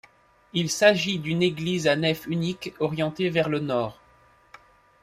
Il s'agit d'une église à nef unique, orientée vers le nord.